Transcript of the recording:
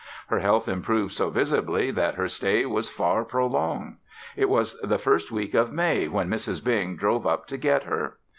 Her health improved so visibly that her stay was far prolonged. It was the first week of May when Mrs. Bing drove up to get her.